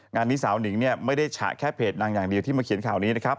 งานนี้สาวหนิงเนี่ยไม่ได้ฉะแค่เพจดังอย่างเดียวที่มาเขียนข่าวนี้นะครับ